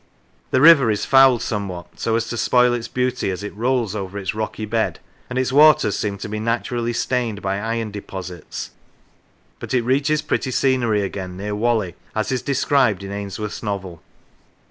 The river is fouled somewhat, so as to spoil its beauty, as it rolls over its rocky bed, and its waters seem to be naturally stained by iron deposits, but it reaches pretty scenery again near Whalley, as is described in Ainsworth's novel.